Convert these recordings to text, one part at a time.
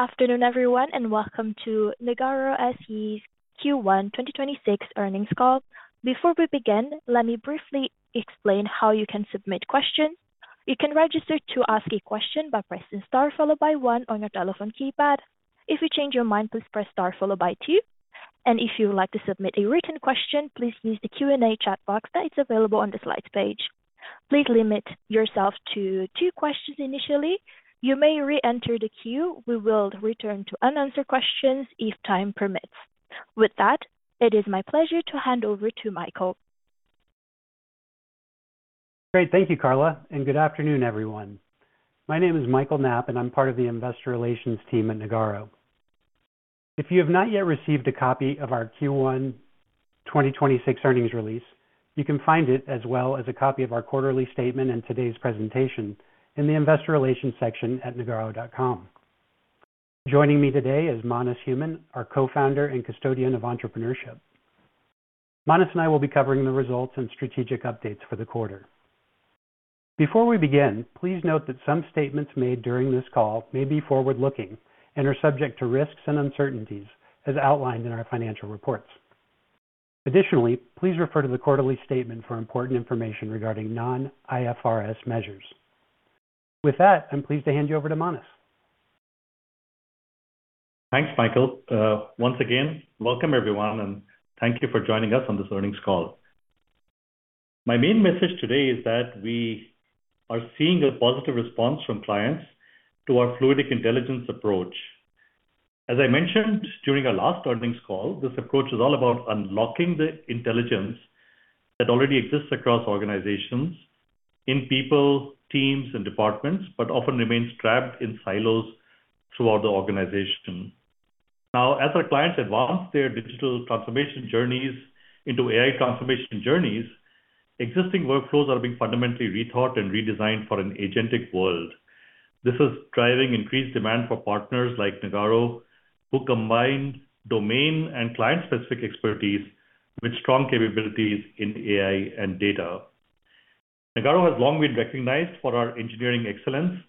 Afternoon, everyone, and welcome to Nagarro SE's Q1 2026 earnings call. Before we begin, let me briefly explain how you can submit questions. You can register to ask a question by pressing star followed by one on your telephone keypad. If you change your mind, please press star followed by two. If you would like to submit a written question, please use the Q&A chat box that is available on the Slides page. Please limit yourself to two questions initially. You may re-enter the queue. We will return to unanswered questions if time permits. With that, it is my pleasure to hand over to Michael. Great. Thank you, Carla, and good afternoon, everyone. My name is Michael Knapp, and I'm part of the investor relations team at Nagarro. If you have not yet received a copy of our Q1 2026 earnings release, you can find it as well as a copy of our quarterly statement and today's presentation in the investor relations section at nagarro.com. Joining me today is Manas Human, our Co-founder and Custodian of Entrepreneurship. Manas and I will be covering the results and strategic updates for the quarter. Before we begin, please note that some statements made during this call may be forward-looking and are subject to risks and uncertainties as outlined in our financial reports. Additionally, please refer to the quarterly statement for important information regarding non-IFRS measures. With that, I'm pleased to hand you over to Manas. Thanks, Michael. Once again, welcome everyone, and thank you for joining us on this earnings call. My main message today is that we are seeing a positive response from clients to our Fluidic Intelligence approach. As I mentioned during our last earnings call, this approach is all about unlocking the intelligence that already exists across organizations in people, teams, and departments, but often remains trapped in silos throughout the organization. As our clients advance their digital transformation journeys into AI transformation journeys, existing workflows are being fundamentally rethought and redesigned for an agentic world. This is driving increased demand for partners like Nagarro, who combine domain and client-specific expertise with strong capabilities in AI and data. Nagarro has long been recognized for our engineering excellence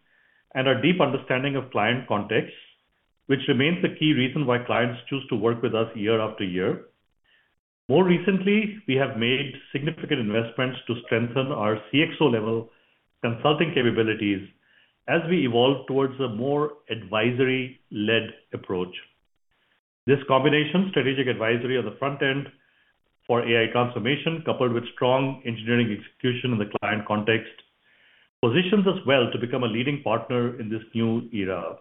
and our deep understanding of client context, which remains the key reason why clients choose to work with us year after year. More recently, we have made significant investments to strengthen our CXO-level consulting capabilities as we evolve towards a more advisory-led approach. This combination, strategic advisory on the front end for AI transformation, coupled with strong engineering execution in the client context, positions us well to become a leading partner in this new era.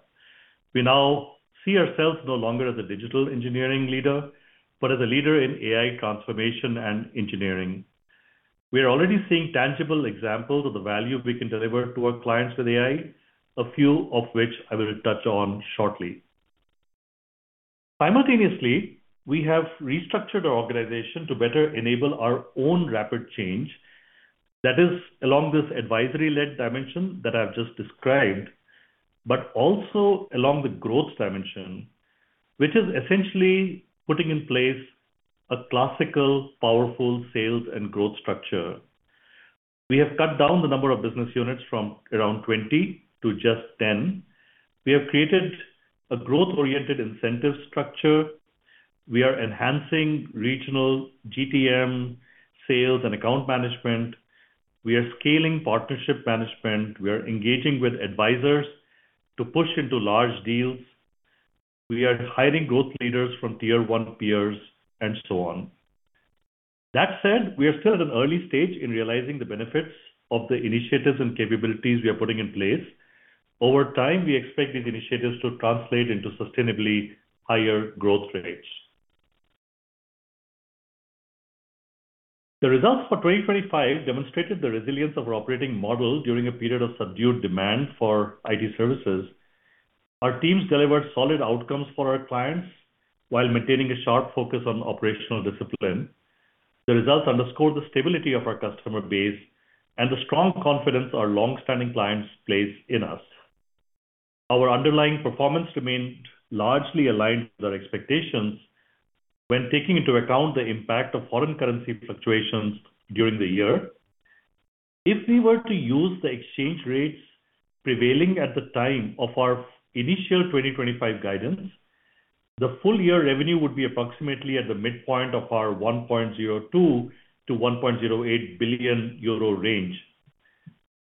We now see ourselves no longer as a digital engineering leader but as a leader in AI transformation and engineering. We are already seeing tangible examples of the value we can deliver to our clients with AI, a few of which I will touch on shortly. Simultaneously, we have restructured our organization to better enable our own rapid change. That is along this advisory-led dimension that I've just described, but also along the growth dimension, which is essentially putting in place a classical, powerful sales and growth structure. We have cut down the number of business units from around 20 to just 10. We have created a growth-oriented incentive structure. We are enhancing regional GTM sales and account management. We are scaling partnership management. We are engaging with advisors to push into large deals. We are hiring growth leaders from tier 1 peers and so on. That said, we are still at an early stage in realizing the benefits of the initiatives and capabilities we are putting in place. Over time, we expect these initiatives to translate into sustainably higher growth rates. The results for 2025 demonstrated the resilience of our operating model during a period of subdued demand for IT services. Our teams delivered solid outcomes for our clients while maintaining a sharp focus on operational discipline. The results underscore the stability of our customer base and the strong confidence our longstanding clients place in us. Our underlying performance remained largely aligned with our expectations when taking into account the impact of foreign currency fluctuations during the year. If we were to use the exchange rates prevailing at the time of our initial 2025 guidance, the full-year revenue would be approximately at the midpoint of our 1.02-1.08 billion euro range.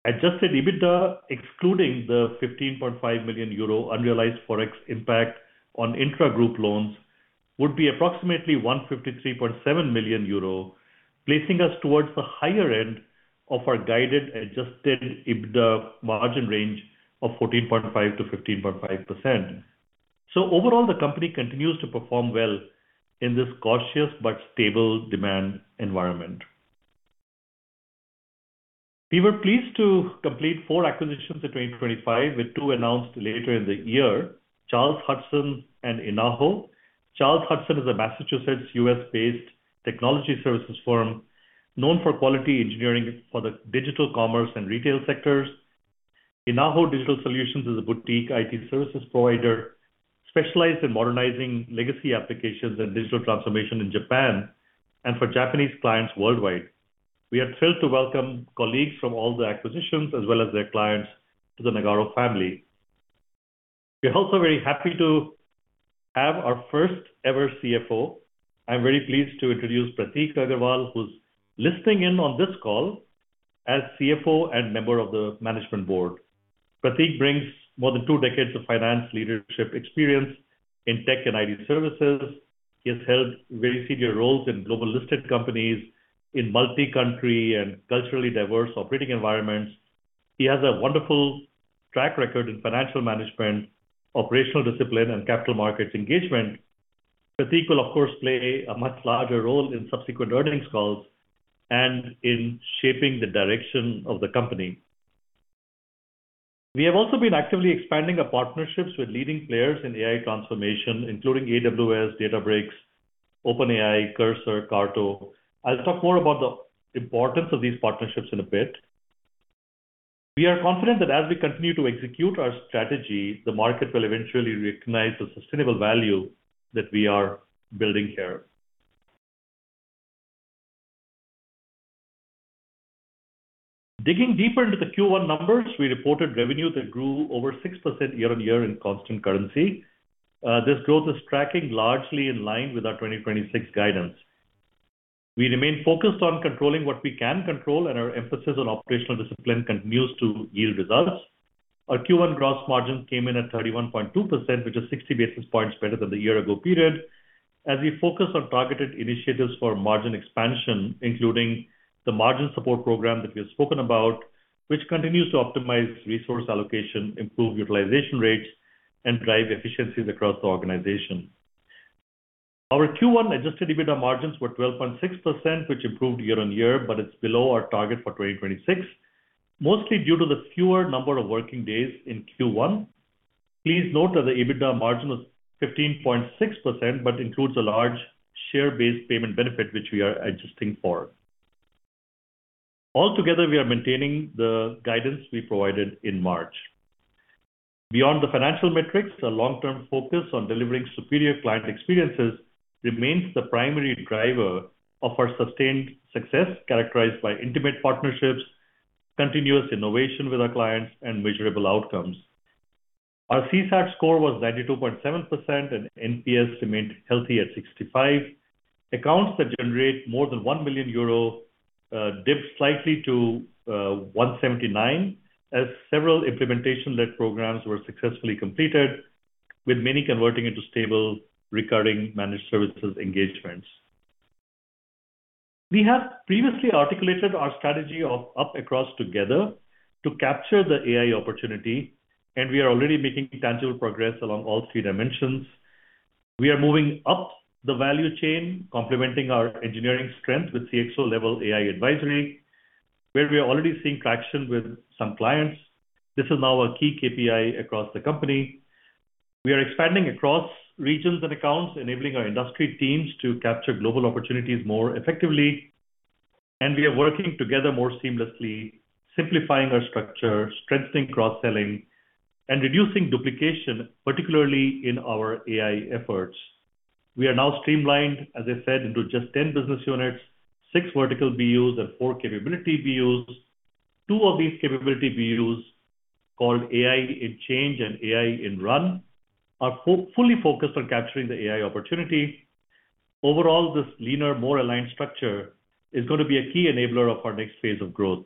Adjusted EBITDA, excluding the 15.5 million euro unrealized Forex impact on intra-group loans, would be approximately 153.7 million euro, placing us towards the higher end of our guided adjusted EBITDA margin range of 14.5%-15.5%. Overall, the company continues to perform well in this cautious but stable demand environment. We were pleased to complete four acquisitions in 2025, with two announced later in the year, Charles Hudson and Inaho. Charles Hudson is a Massachusetts U.S.-based technology services firm known for quality engineering for the digital commerce and retail sectors. Inaho Digital Solutions is a boutique IT services provider specialized in modernizing legacy applications and digital transformation in Japan and for Japanese clients worldwide. We are thrilled to welcome colleagues from all the acquisitions as well as their clients to the Nagarro family. We're also very happy to have our first ever CFO. I'm very pleased to introduce Prateek Aggarwal, who's listening in on this call as CFO and Member of the Management Board. Prateek brings more than two decades of finance leadership experience in tech and IT services. He has held very senior roles in global listed companies in multi-country and culturally diverse operating environments. He has a wonderful track record in financial management, operational discipline, and capital markets engagement. Prateek will, of course, play a much larger role in subsequent earnings calls and in shaping the direction of the company. We have also been actively expanding our partnerships with leading players in AI transformation, including AWS, Databricks, OpenAI, Cursor, CARTO. I'll talk more about the importance of these partnerships in a bit. We are confident that as we continue to execute our strategy, the market will eventually recognize the sustainable value that we are building here. Digging deeper into the Q1 numbers, we reported revenue that grew over 6% year-on-year in constant currency. This growth is tracking largely in line with our 2026 guidance. We remain focused on controlling what we can control, and our emphasis on operational discipline continues to yield results. Our Q1 gross margin came in at 31.2%, which is 60 basis points better than the year ago period. As we focus on targeted initiatives for margin expansion, including the margin support program that we have spoken about, which continues to optimize resource allocation, improve utilization rates, and drive efficiencies across the organization. Our Q1 adjusted EBITDA margins were 12.6%, which improved year-on-year, but it's below our target for 2026, mostly due to the fewer number of working days in Q1. Please note that the EBITDA margin was 15.6%, but includes a large share-based payment benefit, which we are adjusting for. Altogether, we are maintaining the guidance we provided in March. Beyond the financial metrics, our long-term focus on delivering superior client experiences remains the primary driver of our sustained success, characterized by intimate partnerships, continuous innovation with our clients, and measurable outcomes. Our CSAT score was 92.7%, and NPS remained healthy at 65. Accounts that generate more than 1 million euro dipped slightly to 179 as several implementation-led programs were successfully completed, with many converting into stable recurring managed services engagements. We have previously articulated our strategy of up across together to capture the AI opportunity, and we are already making tangible progress along all three dimensions. We are moving up the value chain, complementing our engineering strength with CXO-level AI advisory, where we are already seeing traction with some clients. This is now a key KPI across the company. We are expanding across regions and accounts, enabling our industry teams to capture global opportunities more effectively. We are working together more seamlessly, simplifying our structure, strengthening cross-selling, and reducing duplication, particularly in our AI efforts. We are now streamlined, as I said, into just 10 business units, six vertical BUs, and four capability BUs. Two of these capability BUs, called AI in Change and AI in Run, are fully focused on capturing the AI opportunity. Overall, this leaner, more aligned structure is going to be a key enabler of our next phase of growth.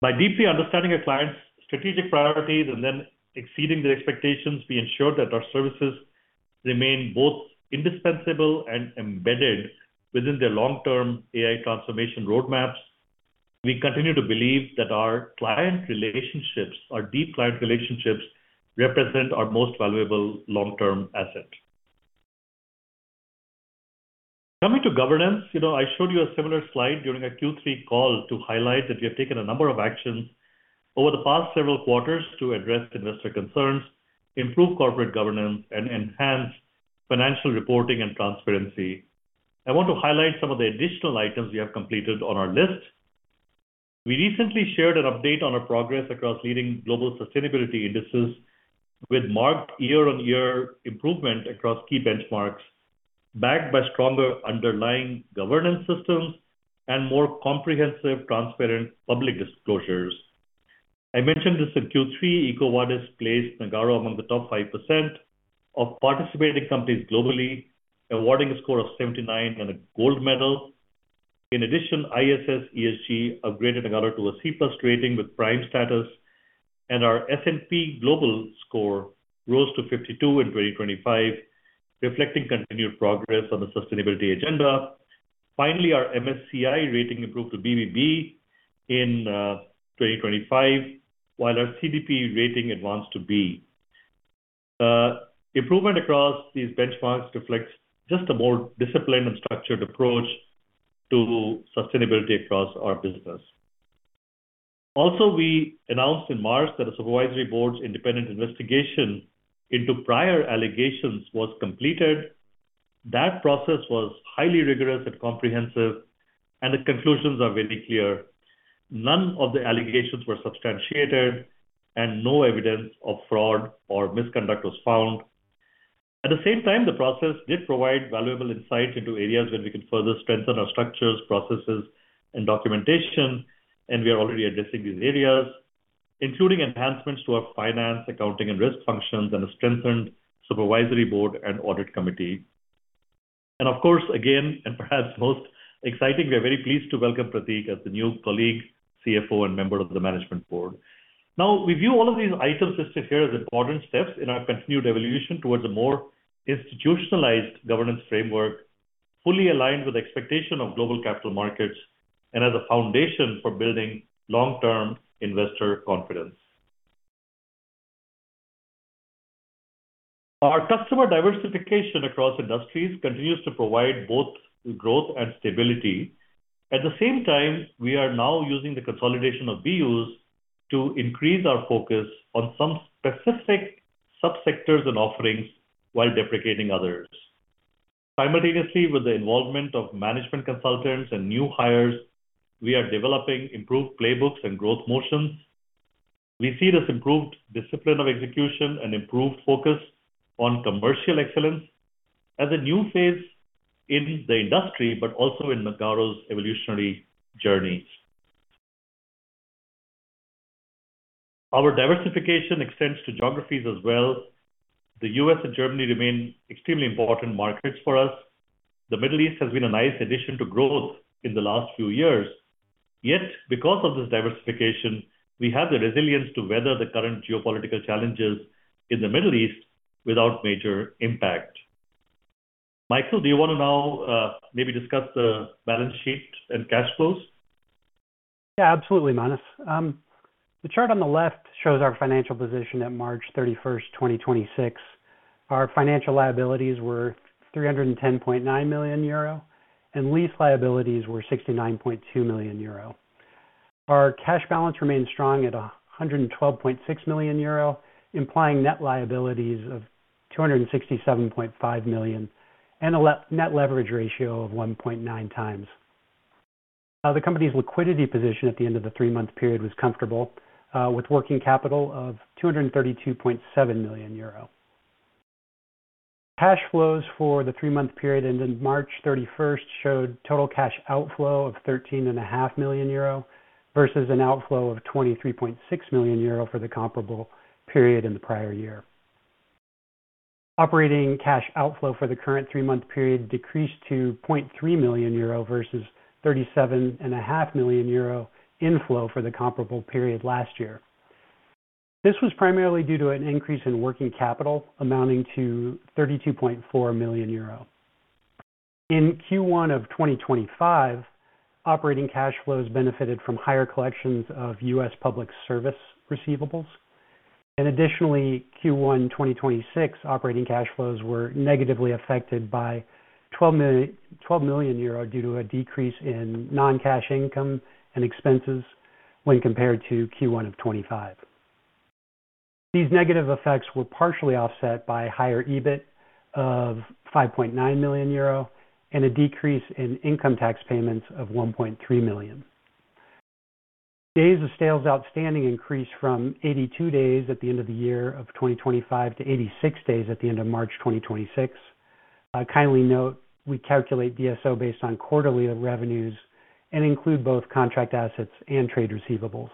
By deeply understanding a client's strategic priorities and then exceeding their expectations, we ensure that our services remain both indispensable and embedded within their long-term AI transformation roadmaps. We continue to believe that our client relationships, our deep client relationships, represent our most valuable long-term asset. Coming to governance, you know, I showed you a similar slide during our Q3 call to highlight that we have taken a number of actions over the past several quarters to address investor concerns, improve corporate governance, and enhance financial reporting and transparency. I want to highlight some of the additional items we have completed on our list. We recently shared an update on our progress across leading global sustainability indices with marked year-on-year improvement across key benchmarks, backed by stronger underlying governance systems and more comprehensive, transparent public disclosures. I mentioned this in Q3, EcoVadis placed Nagarro among the top 5% of participating companies globally, awarding a score of 79 and a gold medal. In addition, ISS ESG upgraded Nagarro to a C plus rating with prime status, and our S&P Global score rose to 52 in 2025, reflecting continued progress on the sustainability agenda. Finally, our MSCI rating improved to BBB in 2025, while our CDP rating advanced to B. Improvement across these benchmarks reflects just a more disciplined and structured approach to sustainability across our business. Also, we announced in March that a supervisory board's independent investigation into prior allegations was completed. That process was highly rigorous and comprehensive, and the conclusions are very clear. None of the allegations were substantiated, and no evidence of fraud or misconduct was found. At the same time, the process did provide valuable insight into areas where we could further strengthen our structures, processes and documentation, and we are already addressing these areas, including enhancements to our finance, accounting and risk functions and a strengthened supervisory board and audit committee. Of course, again, and perhaps most exciting, we are very pleased to welcome Prateek as the new colleague, CFO and member of the Management Board. Now, we view all of these items listed here as important steps in our continued evolution towards a more institutionalized governance framework, fully aligned with expectation of global capital markets and as a foundation for building long-term investor confidence. Our customer diversification across industries continues to provide both growth and stability. At the same time, we are now using the consolidation of views to increase our focus on some specific subsectors and offerings while deprecating others. Simultaneously, with the involvement of management consultants and new hires, we are developing improved playbooks and growth motions. We see this improved discipline of execution and improved focus on commercial excellence as a new phase in the industry, but also in Nagarro's evolutionary journeys. Our diversification extends to geographies as well. The U.S. and Germany remain extremely important markets for us. The Middle East has been a nice addition to growth in the last few years. Because of this diversification, we have the resilience to weather the current geopolitical challenges in the Middle East without major impact. Michael, do you want to know maybe discuss the balance sheet and cash flows? Yeah, absolutely, Manas. The chart on the left shows our financial position on March 31st, 2026. Our financial liabilities were 310.9 million euro, and lease liabilities were 69.2 million euro. Our cash balance remained strong at 112.6 million euro, implying net liabilities of 267.5 million and net leverage ratio of 1.9 times. The company's liquidity position at the end of the three-month period was comfortable, with working capital of 232.7 million euro. Cash flows for the three-month period ending March 31st showed total cash outflow of 13.5 million euro versus an outflow of 23.6 million euro for the comparable period in the prior year. Operating cash outflow for the current three-month period decreased to 0.3 million euro versus 37.5 million euro inflow for the comparable period last year. This was primarily due to an increase in working capital amounting to 32.4 million euro. In Q1 of 2025, operating cash flows benefited from higher collections of U.S. public service receivables. Additionally, Q1 2026 operating cash flows were negatively affected by 12 million euro due to a decrease in non-cash income and expenses when compared to Q1 of 2025. These negative effects were partially offset by higher EBIT of 5.9 million euro and a decrease in income tax payments of 1.3 million. Days of sales outstanding increased from 82 days at the end of the year of 2025 to 86 days at the end of March 2026. Kindly note, we calculate DSO based on quarterly revenues and include both contract assets and trade receivables.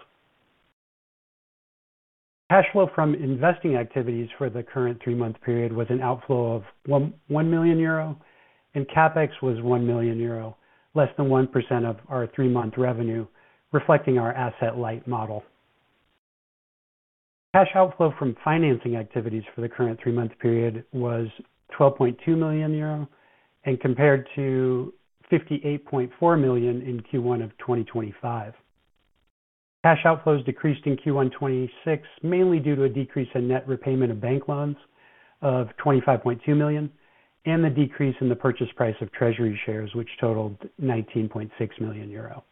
Cash flow from investing activities for the current three-month period was an outflow of 1.1 million euro, and CapEx was 1 million euro, less than 1% of our three-month revenue, reflecting our asset-light model. Cash outflow from financing activities for the current three-month period was 12.2 million euro and compared to 58.4 million in Q1 2025. Cash outflows decreased in Q1 2026, mainly due to a decrease in net repayment of bank loans of 25.2 million and the decrease in the purchase price of treasury shares, which totaled 19.6 million euro.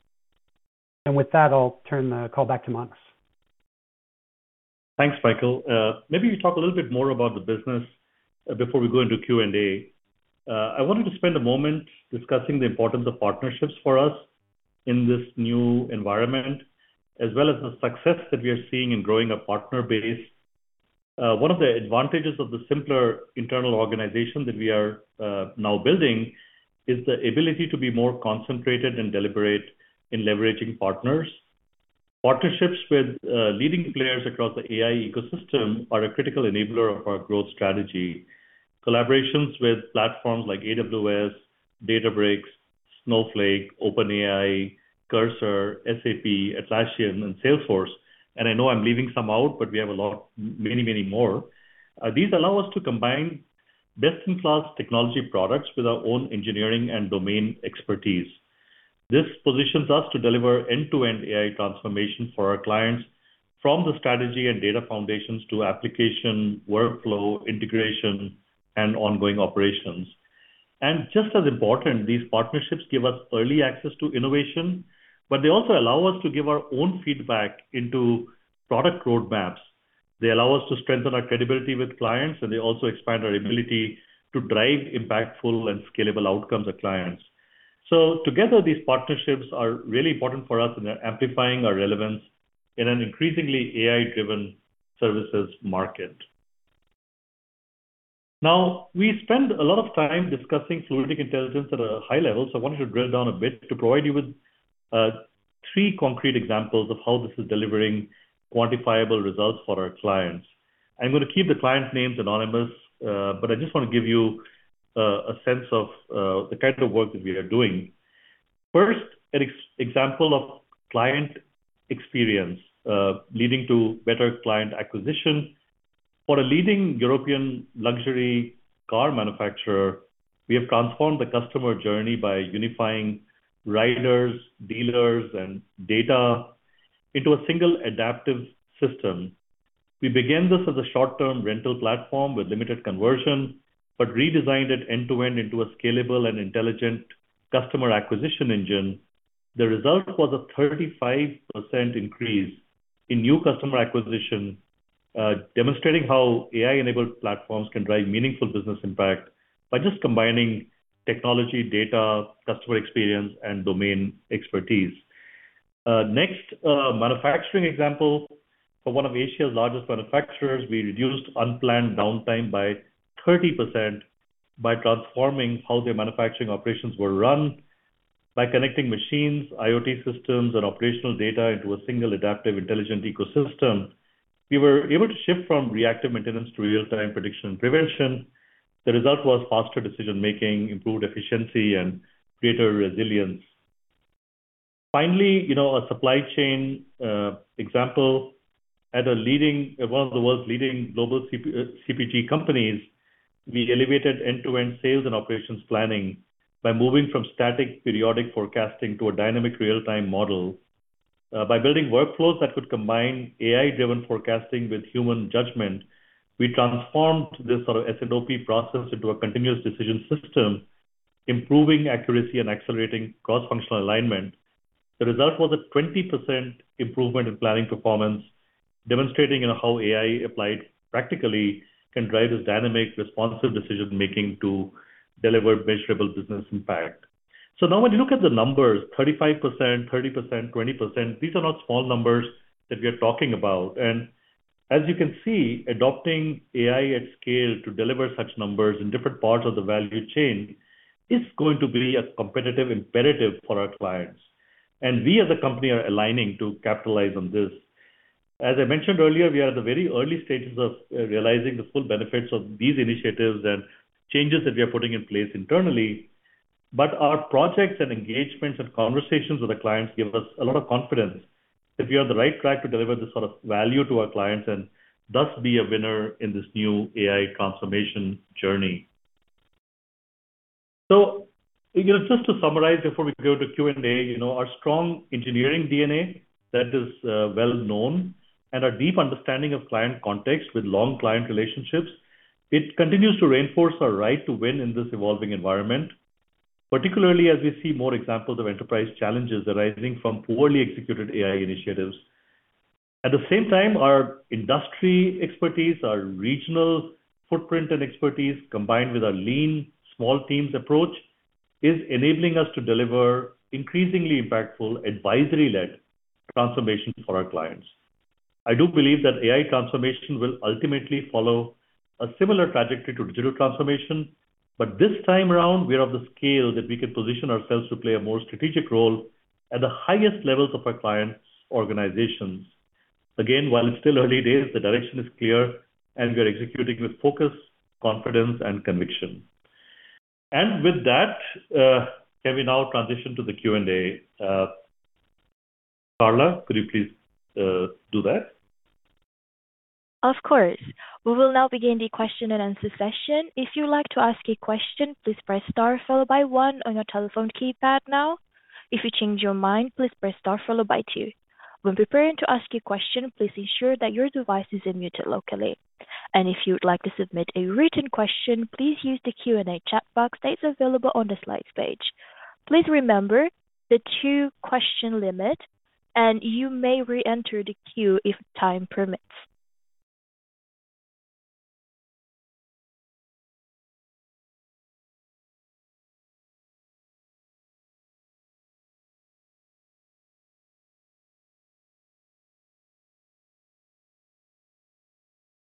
With that, I'll turn the call back to Manas Human. Thanks, Michael. Maybe we talk a little bit more about the business before we go into Q&A. I wanted to spend a moment discussing the importance of partnerships for us in this new environment, as well as the success that we are seeing in growing our partner base. One of the advantages of the simpler internal organization that we are now building is the ability to be more concentrated and deliberate in leveraging partners. Partnerships with leading players across the AI ecosystem are a critical enabler of our growth strategy. Collaborations with platforms like AWS, Databricks, Snowflake, OpenAI, Cursor, SAP, Atlassian, and Salesforce, and I know I'm leaving some out, but we have many more. These allow us to combine best-in-class technology products with our own engineering and domain expertise. This positions us to deliver end-to-end AI transformation for our clients from the strategy and data foundations to application, workflow, integration, and ongoing operations. Just as important, these partnerships give us early access to innovation, but they also allow us to give our own feedback into product roadmaps. They allow us to strengthen our credibility with clients; they also expand our ability to drive impactful and scalable outcomes to clients. Together, these partnerships are really important for us in amplifying our relevance in an increasingly AI-driven services market. We spend a lot of time discussing Fluidic Intelligence at a high level, so I wanted to drill down a bit to provide you with three concrete examples of how this is delivering quantifiable results for our clients. I'm going to keep the clients' names anonymous. I just want to give you a sense of the type of work that we are doing. First, an example of client experience leading to better client acquisition. For a leading European luxury car manufacturer, we have transformed the customer journey by unifying riders, dealers, and data into a single adaptive system. We began this as a short-term rental platform with limited conversion, redesigned it end-to-end into a scalable and intelligent customer acquisition engine. The result was a 35% increase in new customer acquisition, demonstrating how AI-enabled platforms can drive meaningful business impact by just combining technology, data, customer experience, and domain expertise. Next, manufacturing example. For one of Asia's largest manufacturers, we reduced unplanned downtime by 30% by transforming how their manufacturing operations were run. By connecting machines, IoT systems, and operational data into a single adaptive intelligent ecosystem, we were able to shift from reactive maintenance to real-time prediction and prevention. The result was faster decision-making, improved efficiency, and greater resilience. A supply chain example. At one of the world's leading global CPG companies, we elevated end-to-end sales and operations planning by moving from static periodic forecasting to a dynamic real-time model. By building workflows that could combine AI-driven forecasting with human judgment, we transformed this sort of S&OP process into a continuous decision system, improving accuracy and accelerating cross-functional alignment. The result was a 20% improvement in planning performance, demonstrating, you know, how AI applied practically can drive this dynamic, responsive decision-making to deliver measurable business impact. Now when you look at the numbers, 35%, 30%, 20%, these are not small numbers that we are talking about. As you can see, adopting AI at scale to deliver such numbers in different parts of the value chain is going to be a competitive imperative for our clients. We as a company are aligning to capitalize on this. As I mentioned earlier, we are at the very early stages of realizing the full benefits of these initiatives and changes that we are putting in place internally. Our projects and engagements and conversations with the clients give us a lot of confidence that we are on the right track to deliver this sort of value to our clients and thus be a winner in this new AI transformation journey. You know, just to summarize before we go to Q&A, you know, our strong engineering DNA that is well-known and our deep understanding of client context with long client relationships, it continues to reinforce our right to win in this evolving environment, particularly as we see more examples of enterprise challenges arising from poorly executed AI initiatives. At the same time, our industry expertise, our regional footprint and expertise, combined with our lean small teams' approach, is enabling us to deliver increasingly impactful advisory-led transformation for our clients. I do believe that AI transformation will ultimately follow a similar trajectory to digital transformation, this time around, we are of the scale that we can position ourselves to play a more strategic role at the highest levels of our clients' organizations. While it’s still early days, the direction is clear, and we are executing with focus, confidence, and conviction. Can we now transition to the Q&A? Carla, could you please do that? Of course. We will now begin the question-and-answer session. If you would like to ask a question, please press star followed by one on your telephone keypad now. If you change your mind, please press star followed by two. When preparing to ask your question, please ensure that your device is unmuted locally. If you would like to submit a written question, please use the Q&A chat box that is available on the Slides page. Please remember the two-question limit, and you may reenter the queue if time permits.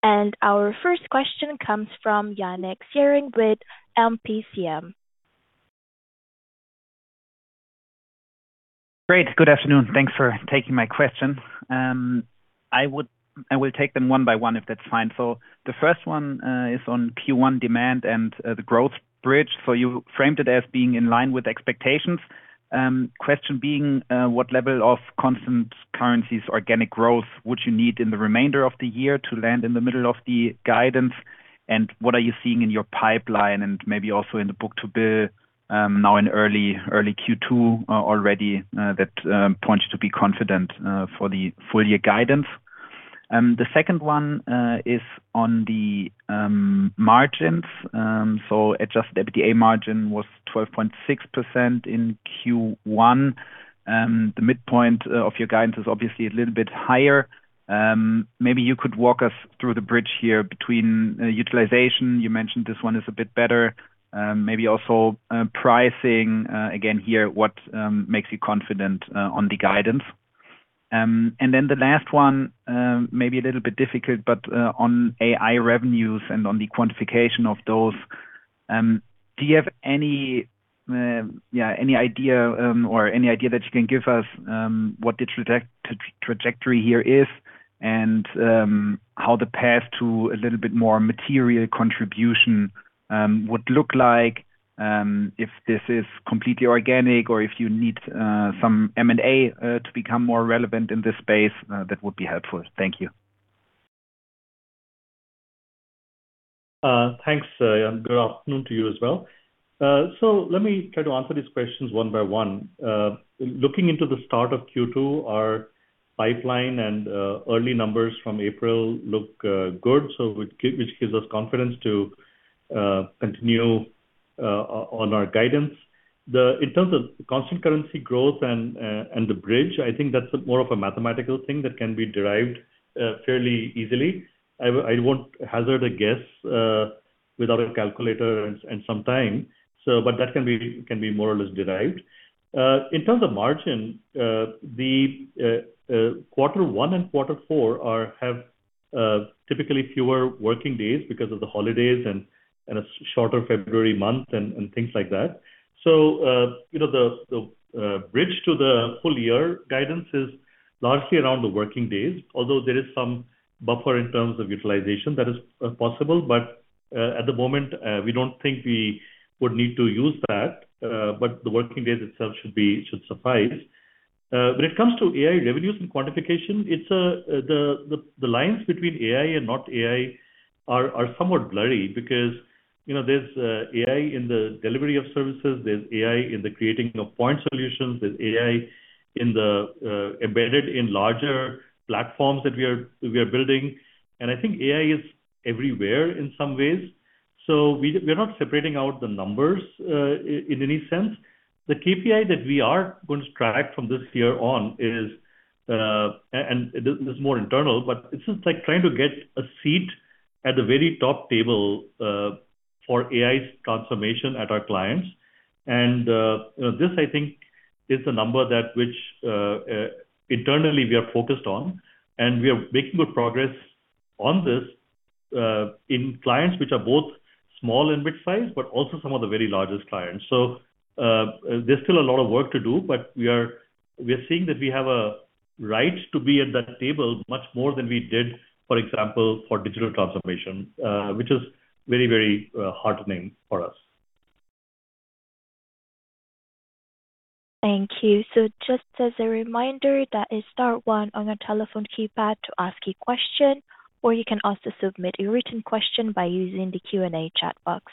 Our first question comes from Yannik Siering with MPCM. Great. Good afternoon. Thanks for taking my question. I will take them one by one, if that's fine. The first one, is on Q1 demand and the growth bridge. You framed it as being in line with expectations. Question being, what level of constant currencies, organic growth would you need in the remainder of the year to land in the middle of the guidance? What are you seeing in your pipeline and maybe also in the book to bill now in early Q2 already that points you to be confident for the full year guidance? The second one, is on the margins. Adjusted EBITDA margin was 12.6% in Q1. The midpoint of your guidance is obviously a little bit higher. Maybe you could walk us through the bridge here between utilization. You mentioned this one is a bit better. Maybe also pricing again here, what makes you confident on the guidance. Then the last one, maybe a little bit difficult, but on AI revenues and on the quantification of those, do you have any, yeah, any idea, or any idea that you can give us, what the trajectory here is and how the path to a little bit more material contribution would look like, if this is completely organic or if you need some M&A to become more relevant in this space, that would be helpful. Thank you. Thanks, Yannik. Good afternoon to you as well. Let me try to answer these questions one by one. Looking into the start of Q2, our pipeline and early numbers from April look good, so which gives us confidence to continue on our guidance. In terms of constant currency growth and the bridge, I think that's more of a mathematical thing that can be derived fairly easily. I won't hazard a guess without a calculator and some time, but that can be more or less derived. In terms of margin, the Q1 and Q4 have typically fewer working days because of the holidays and a shorter February month and things like that. You know, the bridge to the full year guidance is largely around the working days, although there is some buffer in terms of utilization that is possible. At the moment, we don't think we would need to use that, but the working days itself should suffice. When it comes to AI revenues and quantification, it's the lines between AI and not AI are somewhat blurry because, you know, there's AI in the delivery of services, there's AI in the creating of point solutions, there's AI in the embedded in larger platforms that we are building. I think AI is everywhere in some ways. We're not separating out the numbers in any sense. The KPI that we are going to track from this year on is, and this is more internal, but it's just like trying to get a seat at the very top table for AI's transformation at our clients. You know, this, I think is a number that which internally we are focused on, and we are making good progress on this in clients which are both small and mid-size, but also some of the very largest clients. There's still a lot of work to do, but we are, we are seeing that we have a right to be at that table much more than we did, for example, for digital transformation, which is very, very heartening for us. Thank you. Just as a reminder, that is star one on your telephone keypad to ask a question, or you can also submit a written question by using the Q&A chat box.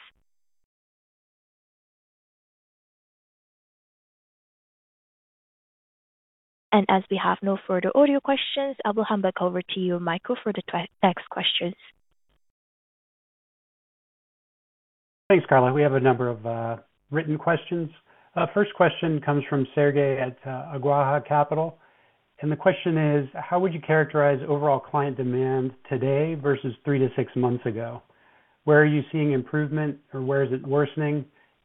As we have no further audio questions, I will hand back over to you, Michael, for the next questions. Thanks, Carla. We have a number of written questions. First question comes` from Sergi at Aguja Capital. The question is: How would you characterize overall client demand today versus three to six months ago? Where are you seeing improvement or where is it worsening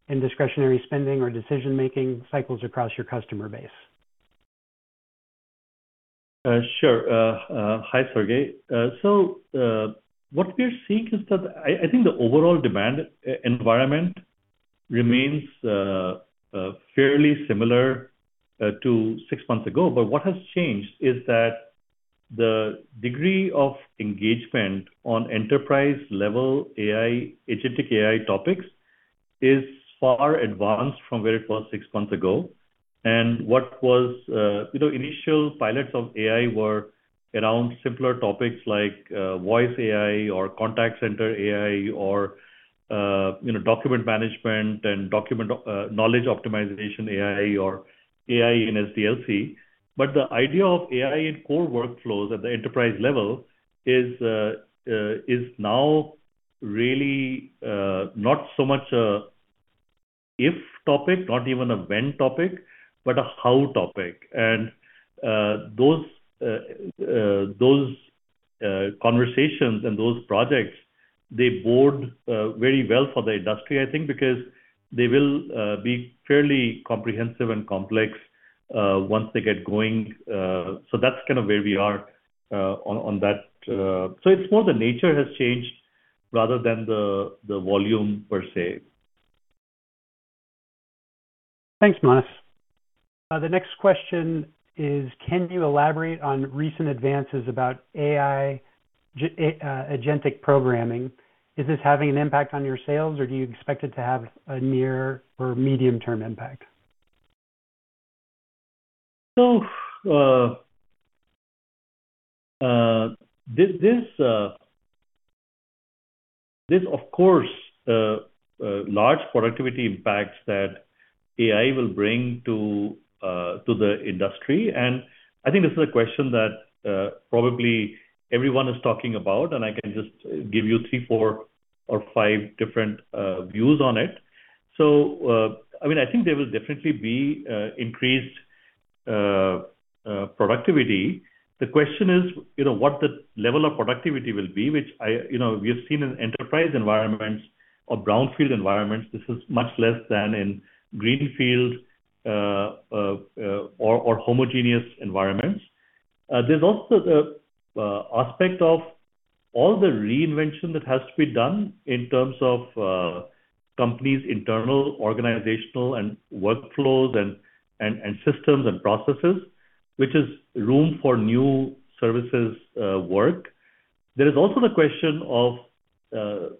in discretionary spending or decision-making cycles across your customer base? Sure. Hi, Sergi. What we're seeing is that I think the overall demand e-environment remains fairly similar to six months ago. What has changed is that the degree of engagement on enterprise-level AI, agentic AI topics is far advanced from where it was six months ago. What was, you know, initial pilots of AI were around simpler topics like voice AI or contact center AI or, you know, document management and document knowledge optimization AI or AI in SDLC. The idea of AI in core workflows at the enterprise level is now really not so much as if topic, not even a when topic, but a hot topic. Those conversations and those projects, they bode very well for the industry, I think, because they will be fairly comprehensive and complex once they get going. That's kind of where we are on that. It's more the nature has changed rather than the volume per se. Thanks, Manas. The next question is: Can you elaborate on recent advances about AI agentic programming? Is this having an impact on your sales, or do you expect it to have a near or medium-term impact? This of course, large productivity impacts that AI will bring to the industry. I think this is a question that probably everyone is talking about, and I can just give you three, four or five different views on it. I mean, I think there will definitely be increased productivity. The question is, you know, what the level of productivity will be. You know, we have seen in enterprise environments or brownfield environments, this is much less than in greenfield or homogeneous environments. There's also the aspect of all the reinvention that has to be done in terms of company's internal organizational and workflows and systems and processes, which is room for new services work. There is also the question of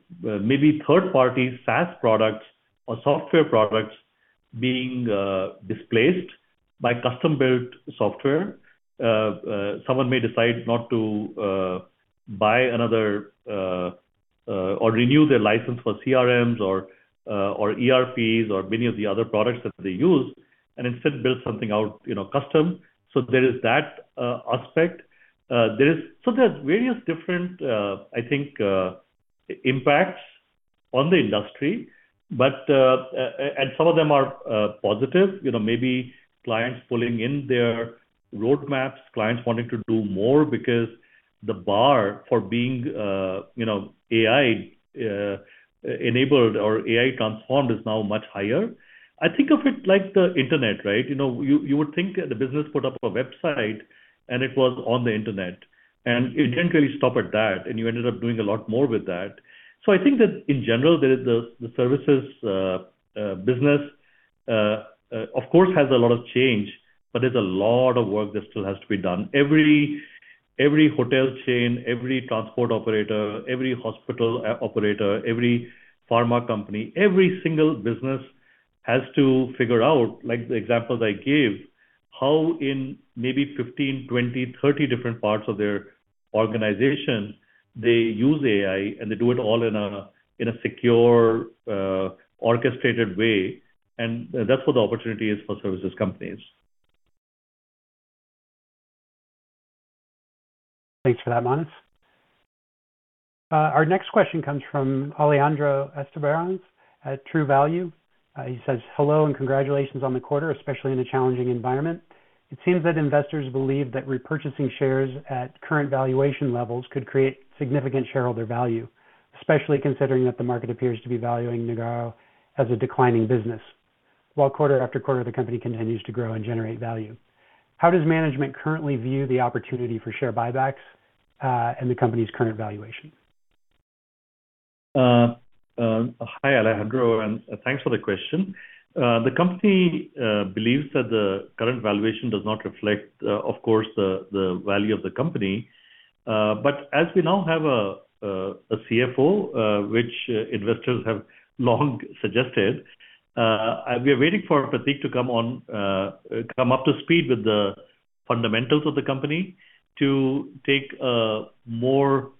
maybe third-party SaaS products or software products being displaced by custom-built software. Someone may decide not to buy another or renew their license for CRMs or ERPs or many of the other products that they use and instead build something out, you know, custom. There is that aspect. There's various different, I think, impacts on the industry, but and some of them are positive. You know, maybe clients pulling in their roadmaps, clients wanting to do more because the bar for being, you know, AI enabled or AI transformed is now much higher. I think of it like the Internet, right? You know, you would think the business put up a website and it was on the Internet, and you didn't really stop at that, and you ended up doing a lot more with that. I think that in general, the services business, of course, has a lot of change, but there's a lot of work that still has to be done. Every hotel chain, every transport operator, every hospital operator, every pharma company, every single business has to figure out, like the examples I gave, how in maybe 15, 20, 30 different parts of their organization, they use AI, and they do it all in a secure, orchestrated way. That's what the opportunity is for services companies. Thanks for that, Manas. Our next question comes from Alejandro Estebaranz at True Value. He says, "Hello and congratulations on the quarter, especially in a challenging environment. It seems that investors believe that repurchasing shares at current valuation levels could create significant shareholder value, especially considering that the market appears to be valuing Nagarro as a declining business, while quarter after quarter, the company continues to grow and generate value. How does management currently view the opportunity for share buybacks and the company's current valuation? Hi, Alejandro, and thanks for the question. The company believes that the current valuation does not reflect, of course, the value of the company. As we now have a CFO, which investors have long suggested, we are waiting for Prateek to come on, come up to speed with the fundamentals of the company to take a more,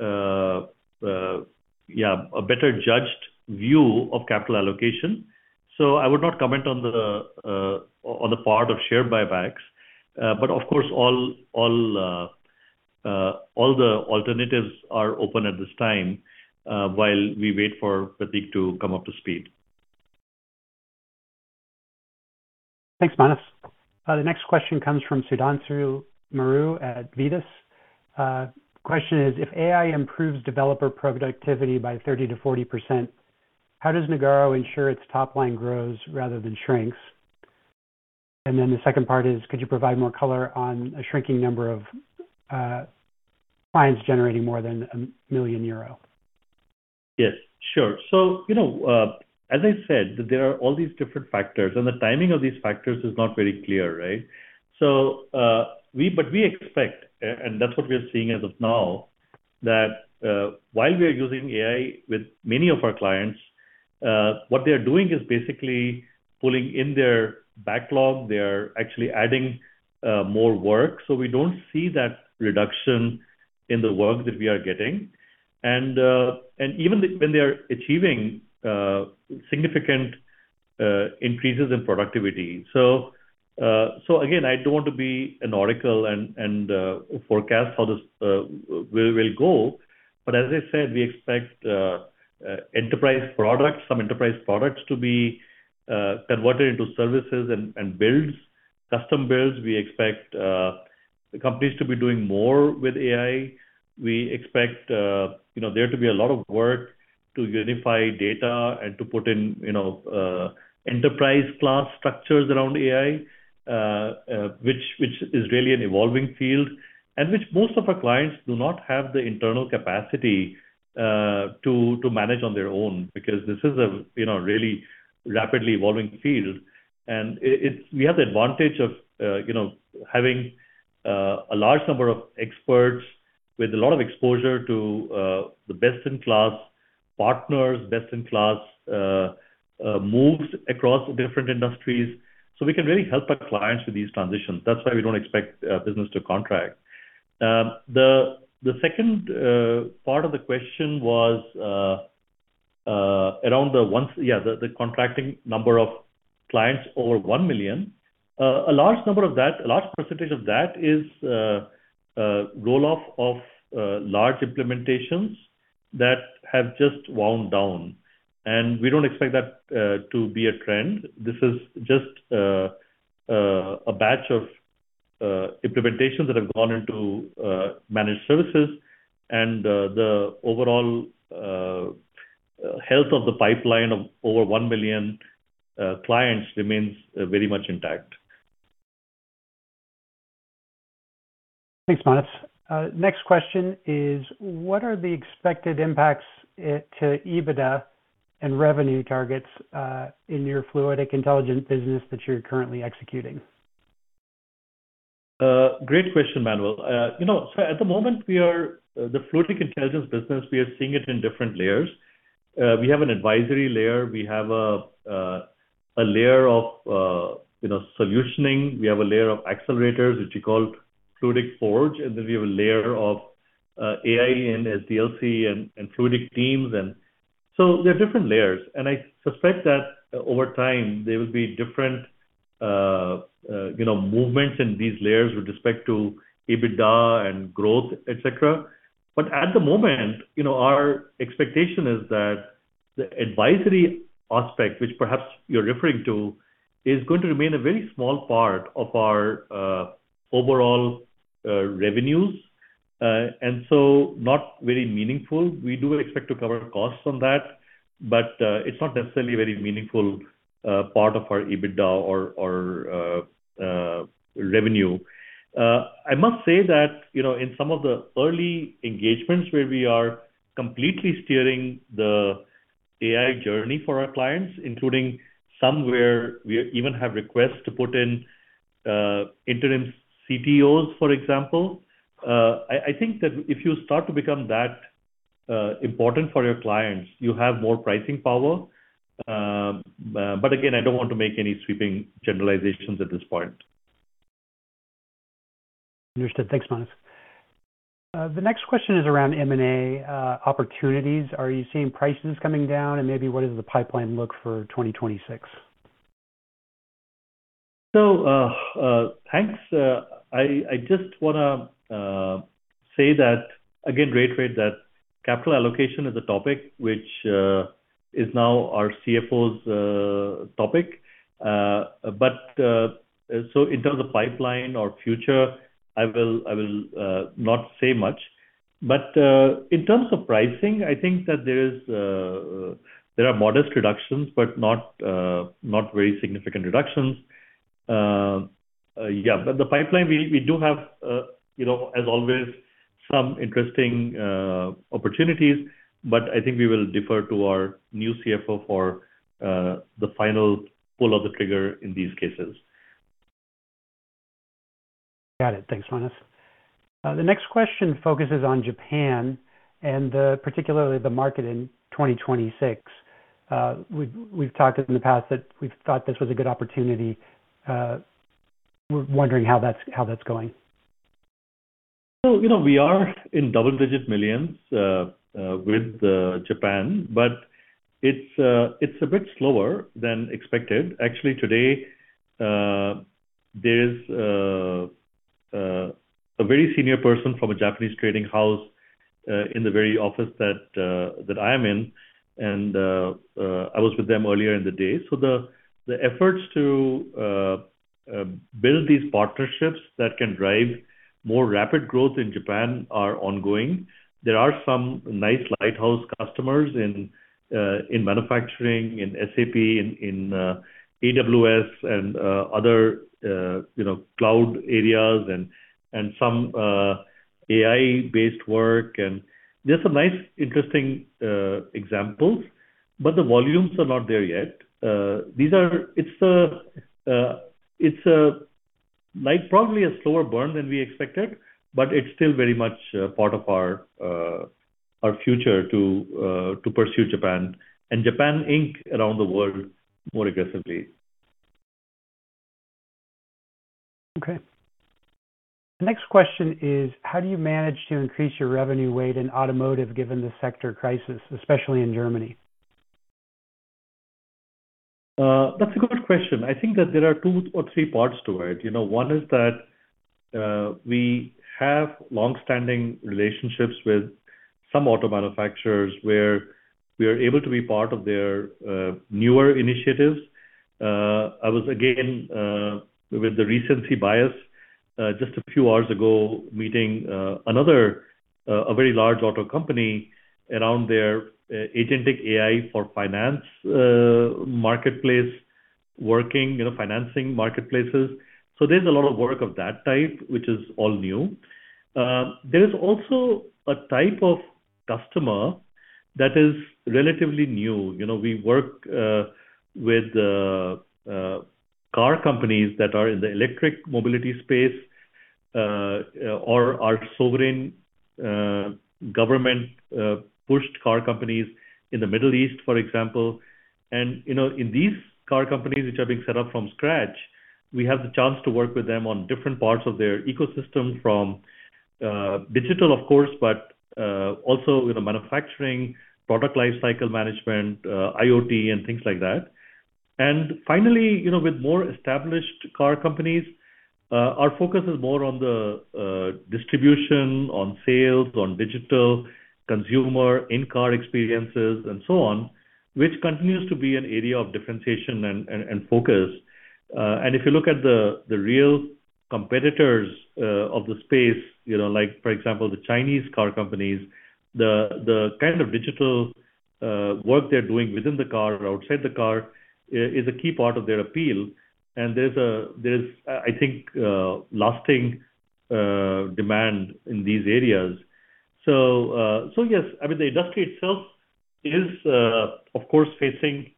a better judged view of capital allocation. I would not comment on the part of share buybacks. Of course, all the alternatives are open at this time, while we wait for Prateek to come up to speed. Thanks, Manas. The next question comes from Sudanshu Muru at Vetus. Question is, if AI improves developer productivity by 30%-40%, how does Nagarro ensure its top line grows rather than shrinks? The second part is, could you provide more color on a shrinking number of clients generating more than 1 million euro? Yes, sure. You know, as I said, there are all these different factors, and the timing of these factors is not very clear, right? We expect, and that's what we are seeing as of now, that while we are using AI with many of our clients, what they are doing is basically pulling in their backlog. They are actually adding more work. We don't see that reduction in the work that we are getting. Even when they are achieving significant increases in productivity. Again, I don't want to be an oracle and forecast how this will go. As I said, we expect enterprise products, some enterprise products to be converted into services and builds, custom builds. We expect companies to be doing more with AI. We expect, you know, there to be a lot of work to unify data and to put in, you know, enterprise class structures around AI, which is really an evolving field and which most of our clients do not have the internal capacity to manage on their own because this is a, you know, really rapidly evolving field. We have the advantage of, you know, having a large number of experts with a lot of exposure to the best-in-class partners, best-in-class moves across different industries. We can really help our clients with these transitions. That's why we don't expect business to contract. The second part of the question was around the contracting number of clients over one million. A large percentage of that is roll-off of large implementations that have just wound down. We don't expect that to be a trend. This is just a batch of implementations that have gone into managed services, the overall health of the pipeline of over 1 million clients remains very much intact. Thanks, Manas. Next question is, what are the expected impacts to EBITDA and revenue targets, in your Fluidic Intelligence business that you're currently executing? Great question, Michael. You know, at the moment, the Fluidic Intelligence business, we are seeing it in different layers. We have an advisory layer. We have a layer of, you know, solutioning. We have a layer of accelerators, which we call Fluidic Forge. We have a layer of AI and SDLC and Fluidic teams. There are different layers. I suspect that over time, there will be different, you know, movements in these layers with respect to EBITDA and growth, et cetera. At the moment, you know, our expectation is that the advisory aspect, which perhaps you're referring to, is going to remain a very small part of our overall revenues. Not very meaningful. We do expect to cover costs on that, but it's not necessarily a very meaningful part of our EBITDA or revenue. I must say that, you know, in some of the early engagements where we are completely steering the AI journey for our clients, including some where we even have requests to put in interim CTOs, for example. I think that if you start to become that important for your clients, you have more pricing power. Again, I don't want to make any sweeping generalizations at this point. Understood. Thanks, Manas. The next question is around M&A opportunities. Are you seeing prices coming down and maybe what does the pipeline look for 2026? Thanks. I just want to say that, again, great that capital allocation is a topic which is now our CFO's topic. In terms of pipeline or future, I will not say much. In terms of pricing, I think that there are modest reductions, but not very significant reductions. The pipeline, we do have, you know, as always, some interesting opportunities. I think we will defer to our new CFO for the final pull of the trigger in these cases. Got it. Thanks, Manas. The next question focuses on Japan and particularly the market in 2026. We've talked in the past that we've thought this was a good opportunity. We're wondering how that's going. You know, we are in double-digit millions with Japan, but it's a bit slower than expected. Actually, today, there's a very senior person from a Japanese trading house in the very office that I am in, and I was with them earlier in the day. The efforts to build these partnerships that can drive more rapid growth in Japan are ongoing. There are some nice lighthouse customers in manufacturing, in SAP, in AWS and other, you know, cloud areas and some AI-based work. There are some nice, interesting examples, but the volumes are not there yet. It's a like probably a slower burn than we expected, but it's still very much part of our future to pursue Japan and Japan Inc. around the world more aggressively. Okay. The next question is, how do you manage to increase your revenue weight in automotive given the sector crisis, especially in Germany? That's a good question. I think that there are two or three parts to it. You know, one is that we have long-standing relationships with some auto manufacturers where we are able to be part of their newer initiatives. I was, again, with the recency bias, just a few hours ago, meeting another a very large auto company around their agentic AI for finance marketplace working, you know, financing marketplaces. There's a lot of work of that type, which is all new. There is also a type of customer that is relatively new. You know, we work with car companies that are in the electric mobility space or are sovereign government pushed car companies in the Middle East, for example. You know, in these car companies which are being set up from scratch, we have the chance to work with them on different parts of their ecosystem from digital, of course, but also, you know, manufacturing, product lifecycle management, IoT and things like that. Finally, you know, with more established car companies, our focus is more on the distribution on sales, on digital consumer in-car experiences and so on, which continues to be an area of differentiation and focus. If you look at the real competitors of the space, you know, like for example, the Chinese car companies, the kind of digital work they're doing within the car or outside the car is a key part of their appeal. There's, I think, lasting demand in these areas. Yes, I mean, the industry itself is, of course facing,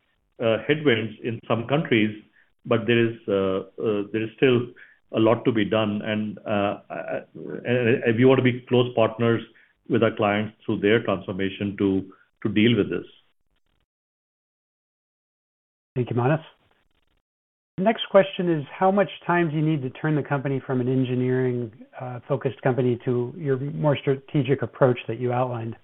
headwinds in some countries, but there is, there is still a lot to be done and we want to be close partners with our clients through their transformation to deal with this. Thank you, Manas. Next question is, how much time do you need to turn the company from an engineering focused company to your more strategic approach that you outlined?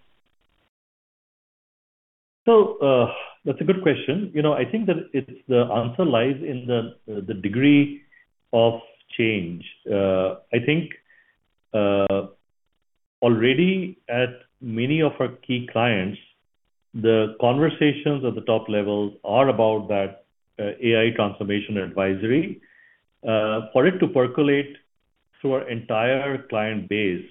That's a good question. You know, I think that it's the answer lies in the degree of change. I think already at many of our key clients, the conversations at the top levels are about that AI transformation advisory. For it to percolate through our entire client base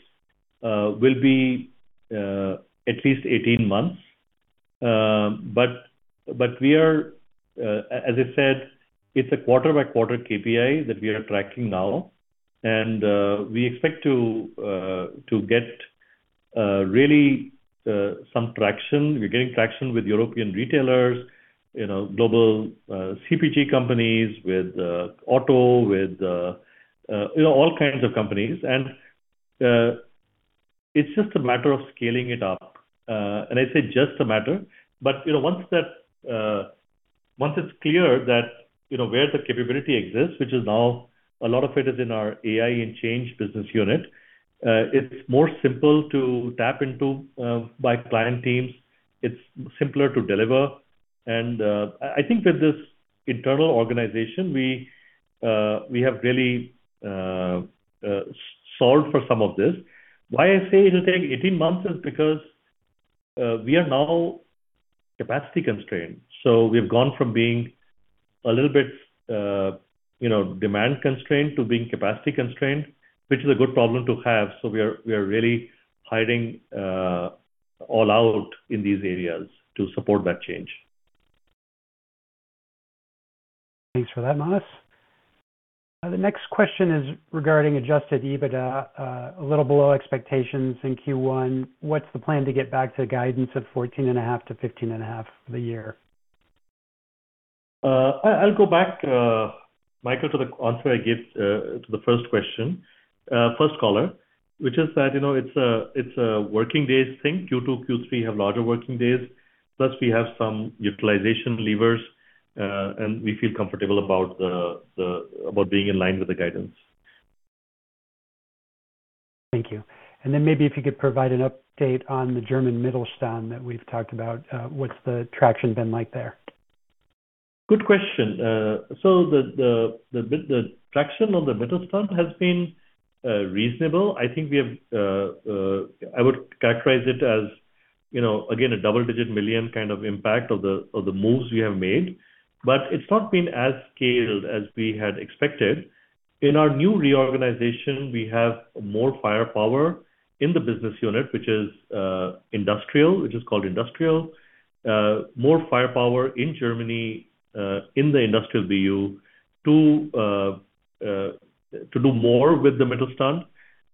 will be at least 18 months. But we are, as I said, it's a quarter-by-quarter KPI that we are tracking now. We expect to get really some traction. We're getting traction with European retailers, you know, global CPG companies with auto, with, you know, all kinds of companies. It's just a matter of scaling it up. I say just a matter, but, you know, once that, once it's clear that, you know, where the capability exists, which is now a lot of it is in our AI in Change business unit, it's simpler to tap into by client teams. It's simpler to deliver. I think that this internal organization, we have really, solved for some of this. Why I say it'll take 18 months is because we are now capacity constrained. We've gone from being a little bit, you know, demand constrained to being capacity constrained, which is a good problem to have. We are, we are really hiring, all out in these areas to support that change. Thanks for that, Manas. The next question is regarding adjusted EBITDA, a little below expectations in Q1. What's the plan to get back to guidance of fourteen and a half to fifteen and a half for the year? I'll go back, Michael, to the answer I gave to the first question, first caller, which is that, you know, it's a, it's a working days thing. Q2, Q3 have larger working days, plus we have some utilization levers, and we feel comfortable about the, about being in line with the guidance. Thank you. Maybe if you could provide an update on the German Mittelstand that we've talked about. What's the traction been like there? Good question. The traction on the Mittelstand has been reasonable. I think we have I would characterize it as, you know, again, a double-digit million kind of impact of the moves we have made. It's not been as scaled as we had expected. In our new reorganization, we have more firepower in the Business Unit, which is Industrial. More firepower in Germany in the Industrial BU to do more with the Mittelstand.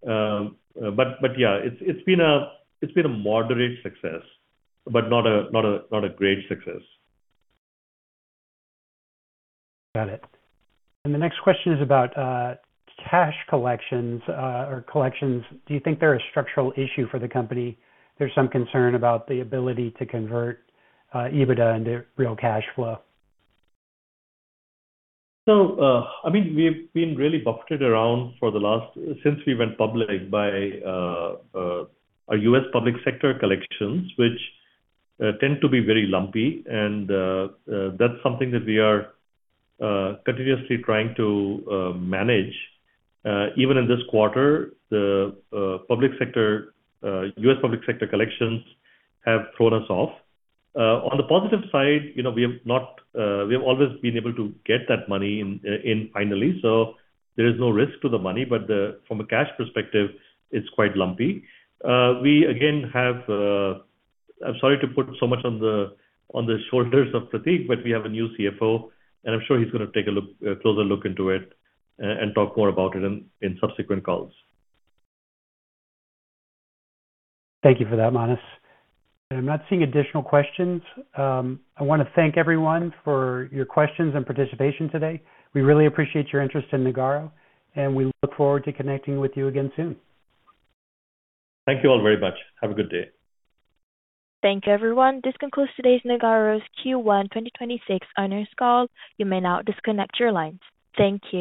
Yeah, it's been a moderate success, not a great success. Got it. The next question is about cash collections, or collections. Do you think they're a structural issue for the company? There's some concern about the ability to convert EBITDA into real cash flow. I mean, we've been really buffeted around for the last since we went public by our U.S. public sector collections, which tend to be very lumpy. That's something that we are continuously trying to manage. Even in this quarter, the public sector, U.S. public sector collections have thrown us off. On the positive side, you know, we have always been able to get that money in finally, so there is no risk to the money. From a cash perspective, it's quite lumpy. We again have, I'm sorry to put so much on the shoulders of Prateek, but we have a new CFO, and I'm sure he's going to take a look, a closer look into it and talk more about it in subsequent calls. Thank you for that, Manas. I'm not seeing additional questions. I want to thank everyone for your questions and participation today. We really appreciate your interest in Nagarro, and we look forward to connecting with you again soon. Thank you all very much. Have a good day. Thank you, everyone. This concludes today's Nagarro's Q1 2026 earnings call. You may now disconnect your lines. Thank you.